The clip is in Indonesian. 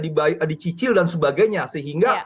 dicicil dan sebagainya sehingga